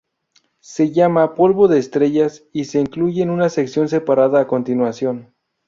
Se llama "polvo de estrellas" y se incluye en una sección separada a continuación.